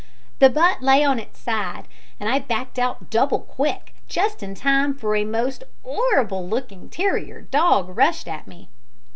The butt lay on its side, and I backed out double quick just in time, for a most 'orrible lookin' terrier dog rushed at me.